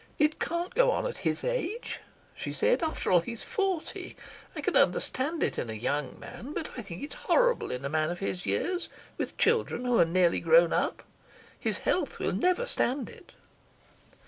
"It can't go on at his age," she said. "After all, he's forty. I could understand it in a young man, but I think it's horrible in a man of his years, with children who are nearly grown up. His health will never stand it."